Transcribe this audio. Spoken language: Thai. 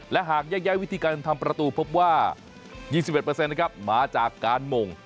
และหากยังไงวิธีการทำประตูพบว่า๒๑เปอร์เซ็นต์นะครับมาจากการมง